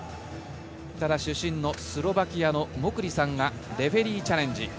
ただ主審のスロバキアのモクリさんがレフェリーチャレンジ。